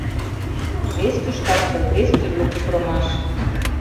Вес тӱшкаште вес тӱрлӧ кутырымаш: